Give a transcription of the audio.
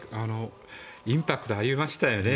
インパクトありましたよね。